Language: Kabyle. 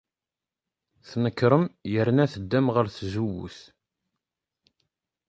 Tnekrem yerna teddam ɣer tzewwut.